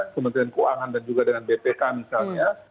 kementerian keuangan dan juga dengan bpk misalnya